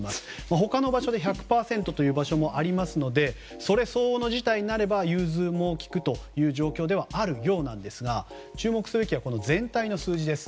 他の場所で１００％という場所もありますのでそれ相応の事態になれば融通も利くという状況ではあるようなんですが注目すべきは全体の数字です。